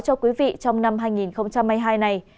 cho quý vị trong năm hai nghìn hai mươi hai này